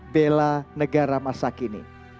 bella negara masa kini